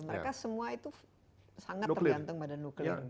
mereka semua itu sangat tergantung pada nuklir